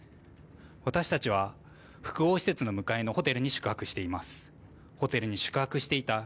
私たちは複合施設の向かいのホテルに宿泊しています。